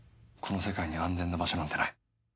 この世界に安全な場所なんてない。